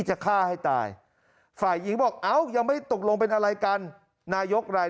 จะฆ่าให้ตายฝ่ายหญิงบอกเอ้ายังไม่ตกลงเป็นอะไรกันนายกราย